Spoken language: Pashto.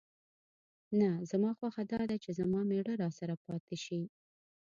نه، زما خوښه دا ده چې زما مېړه راسره پاتې شي.